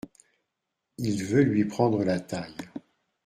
Il veut lui prendre la taille.